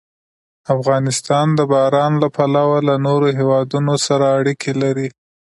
افغانستان د باران له پلوه له نورو هېوادونو سره اړیکې لري.